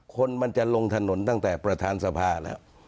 คนมันจะลงถนนตั้งแต่ประธานสภาแล้ว